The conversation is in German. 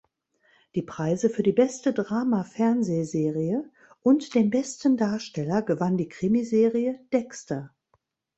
Die Preise für die beste Drama-Fernsehserie und den besten Darsteller gewann die Krimiserie "Dexter".